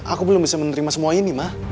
aku belum bisa menerima semua ini mah